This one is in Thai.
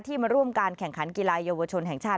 มาร่วมการแข่งขันกีฬาเยาวชนแห่งชาติ